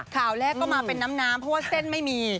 ข่าวแรกก็มาเป็นน้ำเพราะว่าเส้นไม่มี